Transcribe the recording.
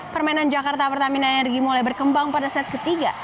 permainan jakarta pertamina energi mulai berkembang pada set ketiga